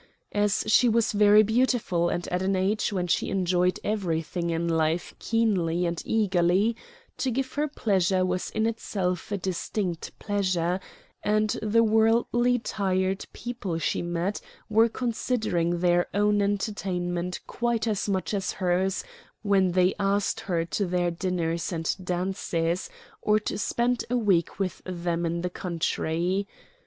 As she was very beautiful and at an age when she enjoyed everything in life keenly and eagerly, to give her pleasure was in itself a distinct pleasure; and the worldly tired people she met were considering their own entertainment quite as much as hers when they asked her to their dinners and dances, or to spend a week with them in the country.